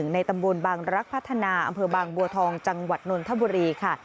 ในตำบลบางรักพัฒนาอำเภอบางบัวทองจังหวัดนนทบุรีค่ะ